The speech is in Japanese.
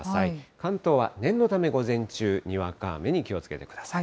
関東は念のため、午前中、にわか雨に気をつけてください。